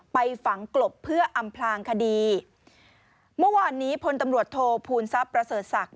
ไปฝังกลบเพื่ออำพลางคดีเมื่อวานนี้พลตำรวจโทษภูมิทรัพย์ประเสริฐศักดิ